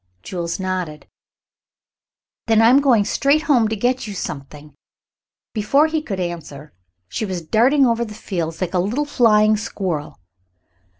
Jules nodded. "Then I'm going straight home to get you something." Before he could answer she was darting over the fields like a little flying squirrel.